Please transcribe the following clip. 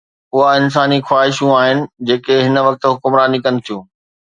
اها انساني خواهشون آهن جيڪي هن وقت حڪمراني ڪن ٿيون.